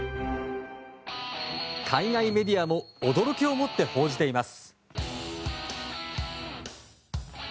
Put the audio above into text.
海外メディアも驚きを持って報じています。